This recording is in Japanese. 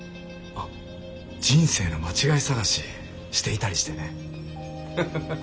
人生の間違い探ししていたりしてね。